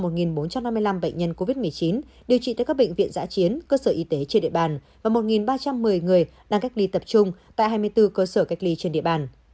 trong một bốn trăm năm mươi năm bệnh nhân covid một mươi chín điều trị tại các bệnh viện giã chiến cơ sở y tế trên địa bàn và một ba trăm một mươi người đang cách ly tập trung tại hai mươi bốn cơ sở cách ly trên địa bàn